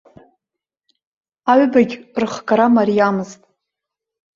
Аҩбагь рыхгара мариамызт!